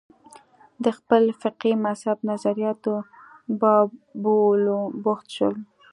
د خپل فقهي مذهب نظریاتو بابولو بوخت شول